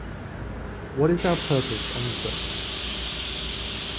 What is our purpose on this earth?